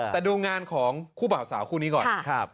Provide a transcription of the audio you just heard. แต่ดูงานของคู่บ่าวสาวคู่นี้ก่อน